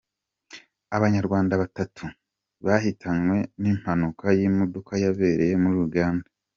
Abanyarwanda Batatu bahitanywe n’impanuka y’imodoka yabereye muri Uganda